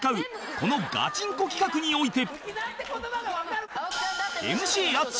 このガチンコ企画において